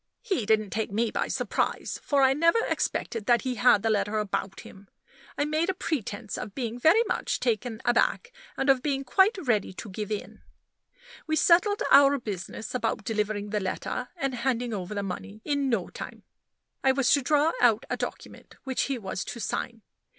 He didn't take me by surprise, for I never expected that he had the letter about him. I made a pretense of being very much taken aback, and of being quite ready to give in. We settled our business about delivering the letter, and handing over the money, in no time. I was to draw out a document, which he was to sign.